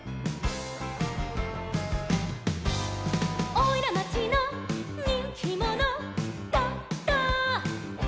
「おいらまちのにんきもの」「ドド」